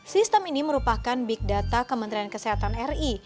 sistem ini merupakan big data kementerian kesehatan ri